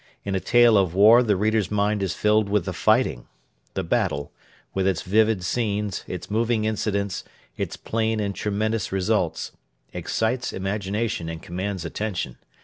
In a tale of war the reader's mind is filled with the fighting. The battle with its vivid scenes, its moving incidents, its plain and tremendous results excites imagination and commands attention.